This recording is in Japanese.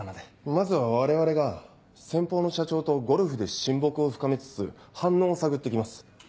まずは我々が先方の社長とゴルフで親睦を深めつつ反応を探って来ます。